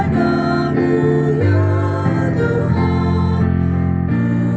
kepadamu ya tuhan syukur ku bersembahkan